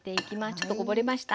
ちょっとこぼれました。